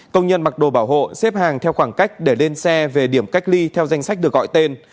công nhân mặc đồ bảo hộ xếp hàng theo khoảng cách để lên xe về điểm cách ly theo danh sách được gọi tên